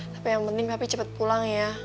tapi yang penting papi cepet pulang ya